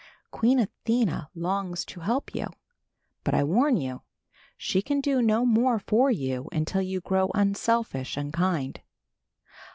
"Queen Athena longs to help you. "But I warn you. She can do no more for you until you grow unselfish and kind."